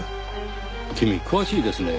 君詳しいですね。